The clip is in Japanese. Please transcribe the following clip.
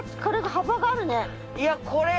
幅があるね。